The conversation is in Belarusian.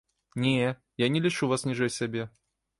Не, я не лічу вас ніжэй сябе.